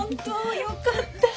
よかった。